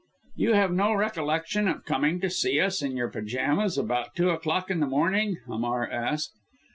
"You have no recollection of coming to see us, in your pyjamas, about two o'clock in the morning?" Hamar asked.